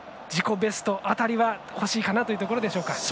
ベスト辺りは欲しいかなというところでしょうか。